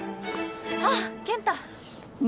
あっ健太。